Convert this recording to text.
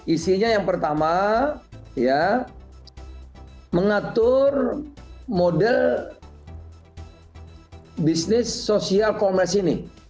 isinya yang pertama mengatur model bisnis sosial commerce ini